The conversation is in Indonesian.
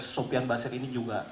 sofian basir ini juga